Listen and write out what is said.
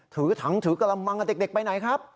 ถือถังถือกระมังกับเด็กไปไหนครับ